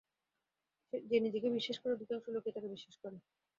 যে নিজেকে বিশ্বাস করে অধিকাংশ লোকেই তাকে বিশ্বাস করে।